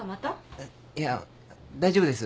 えいや大丈夫です。